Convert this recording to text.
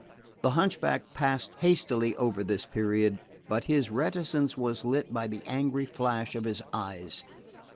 The hunchback passed hastily over this period; but his reticence was lit by the angry flash of his eyes.